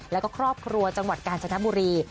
แล้วก็ครอบครัวจังหวัดกาญจนบุรี